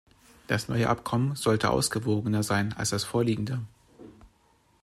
Das neue Abkommen sollte ausgewogener sein als das vorliegende.